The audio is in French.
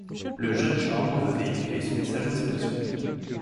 Le Jeune Chambre veut véhiculer ce message dans ses actions .